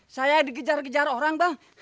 saya dikejar kejar orang bang